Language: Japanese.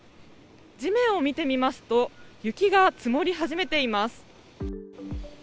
地面を見てみますと、雪が積もり始めています。